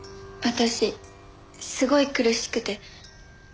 私すごい苦しくて。